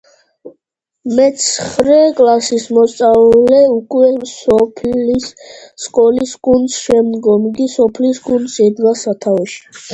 მეცხრე კლასის მოსწავლე უკვე სოფლის სკოლის გუნდს, შემდგომ კი სოფლის გუნდს ედგა სათავეში.